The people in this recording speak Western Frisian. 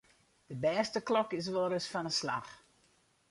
De bêste klok is wolris fan 'e slach.